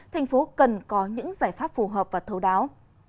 thành phố cần có những giải pháp phù hợp và thấu đáo